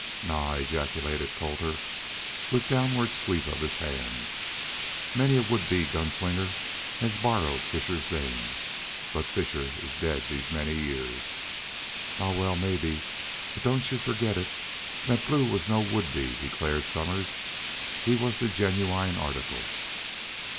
"Naw!" ejaculated Colter, with downward sweep of his hand. "Many a would be gun slinger has borrowed Fisher's name. But Fisher is daid these many years." "Ahuh! Wal, mebbe, but don't you fergit it thet Blue was no would be," declared Somers. "He was the genuine article."